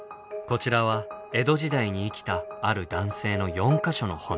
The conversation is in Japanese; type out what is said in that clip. こちらは江戸時代に生きたある男性の４か所の骨。